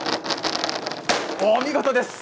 お見事です。